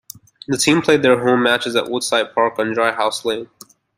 The team played their home matches at Woodside Park on Dry House Lane.